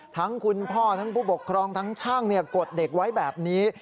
คุณพ่อทั้งผู้ปกครองทั้งช่างกดเด็กไว้แบบนี้